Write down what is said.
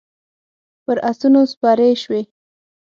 پر اسونو سپارې شوې.